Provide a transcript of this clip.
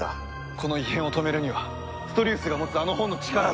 この異変を止めるにはストリウスが持つあの本の力を。